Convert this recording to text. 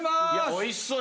おいしそう。